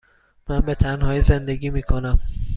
من به تنهایی زندگی می کنم.